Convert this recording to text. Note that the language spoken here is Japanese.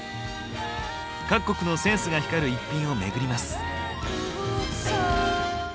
各国のセンスが光る逸品をめぐります。